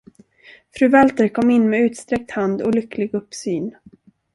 Fru Walter kom in med utsträckt hand och lycklig uppsyn.